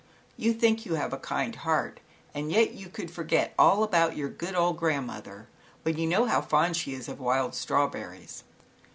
"You think you have a kind heart, and yet you could forget all about your good old grandmother, when you know how fond she is of wild strawberries."